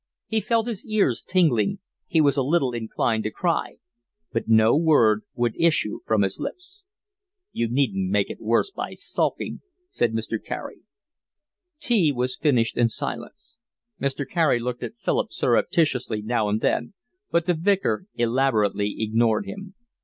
He felt his ears tingling, he was a little inclined to cry, but no word would issue from his lips. "You needn't make it worse by sulking," said Mr. Carey. Tea was finished in silence. Mrs. Carey looked at Philip surreptitiously now and then, but the Vicar elaborately ignored him.